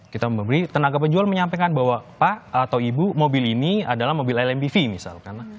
kita memberi tenaga penjual menyampaikan bahwa pak atau ibu mobil ini adalah mobil lmbv misalkan